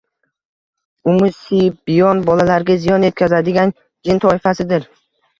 Ummusibyon bolalarga ziyon yetkazadigan jin toifasidir